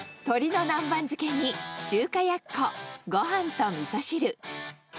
鶏の南蛮漬けに中華やっこ、ごはんとみそ汁。